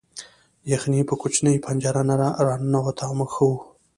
یخني په کوچنۍ پنجره نه راننوته او موږ ښه وو